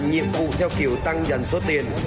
nhiệm vụ theo kiểu tăng dần số tiền